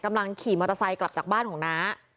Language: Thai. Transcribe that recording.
กำลังขี่มอเตอร์ไซค์กลับจากบ้านของน้า